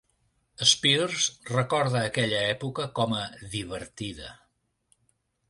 Spears recorda aquella època com a "divertida".